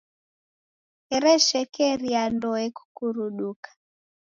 Ereshekeria ndoe kukuruduka.